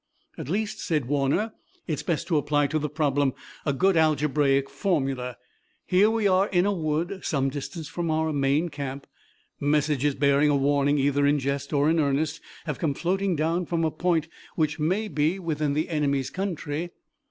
"At least," said Warner, "it's best to apply to the problem a good algebraic formula. Here we are in a wood, some distance from our main camp. Messages, bearing a warning either in jest or in earnest, have come floating down from a point which may be within the enemy's country.